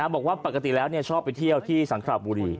บอกว่าปกติแล้วชอบไปเที่ยวที่สังขระบุรี